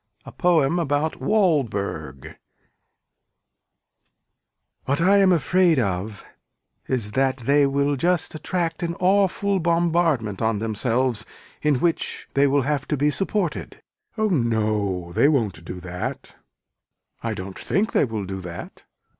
A POEM ABOUT WALDBERG What I am afraid of is that they will just attract an awful bombardment on themselves in which they will have to be supported. Oh no they won't do that. I don't think they will do that.